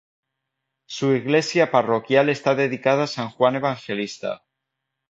Su iglesia parroquial esta dedicada a San Juan Evangelista.